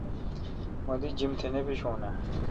مہ دی جیم تہ نہ بیشون آں؟